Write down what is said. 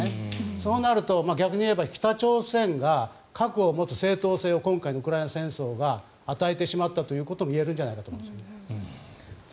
そうなると逆に言えば北朝鮮が核を持つ正当性を今回のウクライナ戦争が与えてしまったことも言えるんじゃないかと思います。